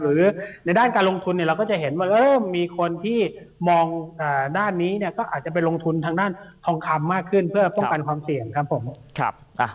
หรือในด้านการลงทุนเนี่ยเราก็จะเห็นว่าเริ่มมีคนที่มองด้านนี้เนี่ยก็อาจจะไปลงทุนทางด้านทองคำมากขึ้นเพื่อป้องกันความเสี่ยงครับผม